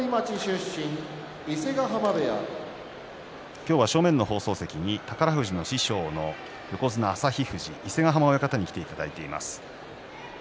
今日は正面の放送席に宝富士の師匠の横綱旭富士伊勢ヶ濱親方に来ていただいてます。